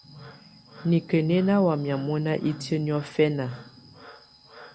Nikǝ̀ nɛ̀ ná wamɛ̀á mɔ̀na itiǝ́ niɔ̀fɛ̀na.